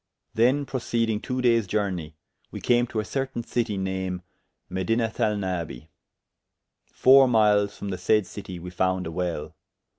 Then proceedyng two dayes journey, we came to a certayne citie name Medinathalnabi: four myles from the said citie, we founde a well.